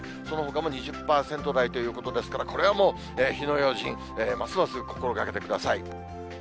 そのほかも２０％台ということですから、これはもう火の用心、ますます心がけてください。